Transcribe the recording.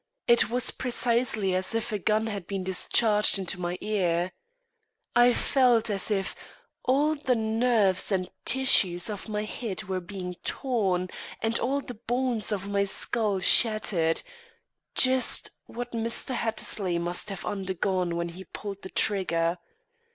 It was precisely as if a gun had been discharged into my ear. I felt as if all the nerves and tissues of my head were being torn, and all the bones of my skull shattered just what Mr. Hattersley must have undergone when he pulled the trigger.